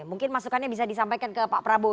mungkin masukannya bisa disampaikan ke pak prabowo